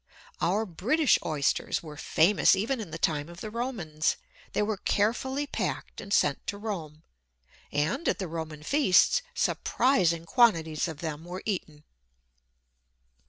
Our British Oysters were famous even in the time of the Romans; they were carefully packed and sent to Rome, and, at the Roman feasts, surprising quantities of them were eaten.